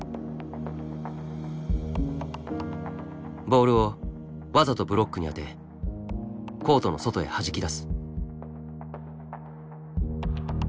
ボールをわざとブロックに当てコートの外へはじき出す。